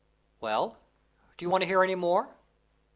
Well, do you want to hear any more?